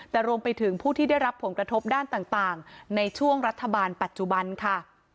แต่รวมไปถึงผู้ที่ได้รับผลกระทบด้านต่างในช่วงรัฐบาลปัจจุบันค่ะ